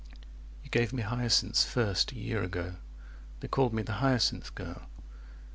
"You gave me hyacinths first a year ago; 35 They called me the hyacinth girl."